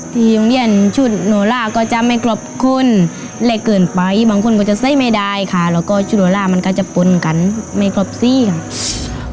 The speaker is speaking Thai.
ที่โรงเรียนชุดโนล่าก็จะไม่ครบคนเล็กเกินไปบางคนก็จะใส่ไม่ได้ค่ะแล้วก็ชุโดล่ามันก็จะปนกันไม่ครบซี่ค่ะ